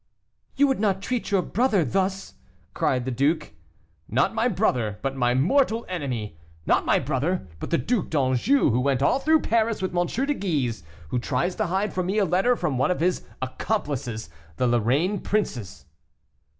"You would not treat your brother thus?" cried the duke. "Not my brother, but my mortal enemy. Not my brother, but the Duc D'Anjou, who went all through Paris with M. de Guise, who tries to hide from me a letter from one of his accomplices, the Lorraine princes."